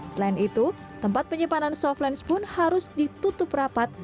selain itu tempat penyimpanan softlens pun harus ditutup rapat